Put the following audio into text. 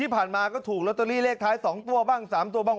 ที่ผ่านมาก็ถูกลอตเตอรี่เลขท้าย๒ตัวบ้าง๓ตัวบ้าง